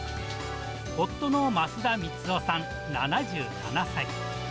夫の増田光男さん７７歳。